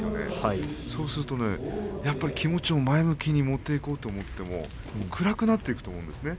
そうすると気持ちを前向きに持っていこうと思っても暗くなっていくと思うんですよね。